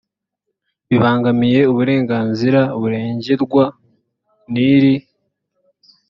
bibangamiye uburenganzira burengerwa n iri